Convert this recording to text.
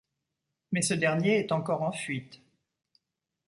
Mais ce dernier est encore en fuite.